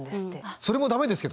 それも駄目ですけどね。